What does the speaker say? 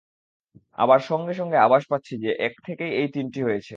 আবার সঙ্গে সঙ্গে আভাস পাচ্ছি যে, এক থেকেই এই তিনটি হয়েছে।